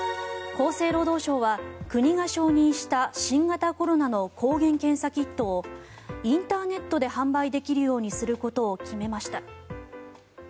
厚生労働省は国が承認した新型コロナの抗原検査キットをインターネットで販売できるようにすることを決めました。